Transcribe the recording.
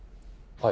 はい。